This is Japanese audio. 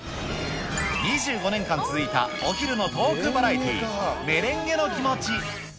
２５年間続いたお昼のトークバラエティ、メレンゲの気持ち。